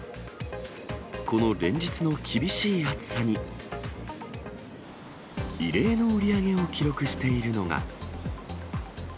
この連日の厳しい暑さに、異例の売り上げを記録しているのが。